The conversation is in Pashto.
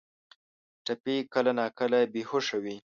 ټپي کله ناکله بې هوشه وي.